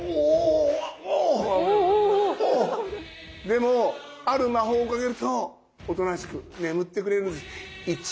でもある魔法をかけるとおとなしく眠ってくれるんです。